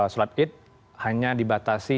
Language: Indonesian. sulat id hanya dibatasi